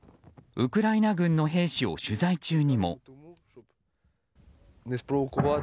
ウクライナ軍の兵士を取材中にも。